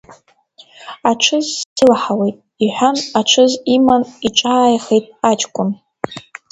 Аҽыз сеилаҳауеит, — иҳәан, аҽыз иман иҿааихеит аҷкәын.